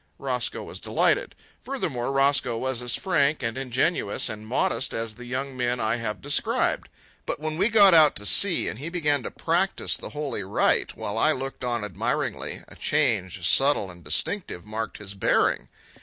Roscoe was delighted. Furthermore, Roscoe was as frank and ingenuous and modest as the young men I have described. But when we got out to sea and he began to practise the holy rite, while I looked on admiringly, a change, subtle and distinctive, marked his bearing.